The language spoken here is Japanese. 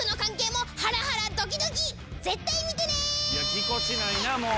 ぎこちないなぁもう！